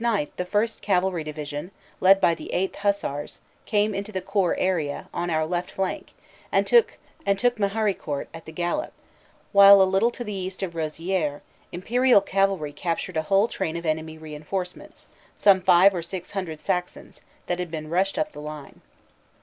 9 the First Cavalry Division, led by the 8th Hussars, came into the Corps area on 70 CANADIAN CAVALRY BRIGADE 71 our left flank and took Meharicourt at the gallop, while a little to the east of Rosieres Imperial Cavalry captured a whole train of enemy reinforcements, some five or six hundred Sax ons, that had been rushed up the line.